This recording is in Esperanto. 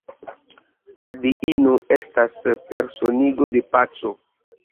La diino estas personigo de paco.